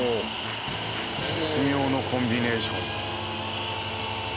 絶妙なコンビネーション。